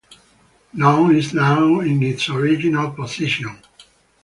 None is now in its original position.